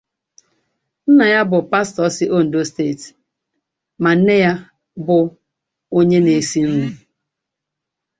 Nna ya bụ pastọ si Ondo Steeti ma nne ya bụ onye na-esi nri.